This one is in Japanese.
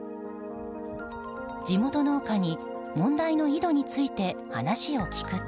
地元農家に問題の井戸について話を聞くと。